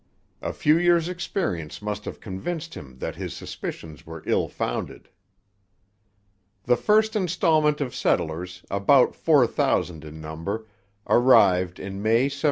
A few years' experience must have convinced him that his suspicions were ill founded. The first instalment of settlers, about four thousand in number, arrived in May 1783.